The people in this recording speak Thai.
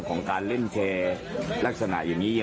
ก็คือเงินเก็บไว้ตัวเองดีกว่า